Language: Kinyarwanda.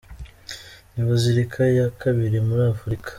Ni Bazilika ya kabiri muri Afulika.